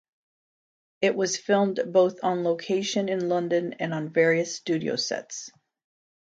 It was filmed both on location in London and on various studio sets.